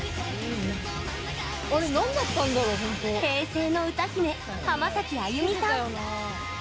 平成の歌姫・浜崎あゆみさん。